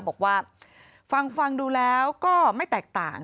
บอกว่าฟังดูแล้วก็ไม่แตกต่าง